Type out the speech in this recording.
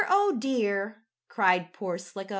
Oh dear!" cried poor Slicko.